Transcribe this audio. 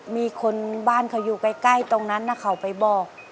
มีคนบ้านเขาอยู่ใกล้ตรงนั้นเขาไปบอก